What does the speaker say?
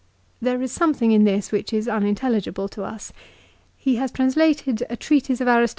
There is something in this which is unintelligible to us. He has translated a treatise of Aristotle 1 Ibid. ca. xxviii.